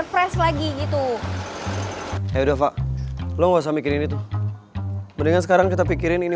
kacau sekali kalo begini